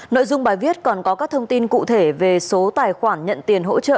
nội dung bài viết còn có các thông tin cụ thể về số tài khoản nhận tiền hỗ trợ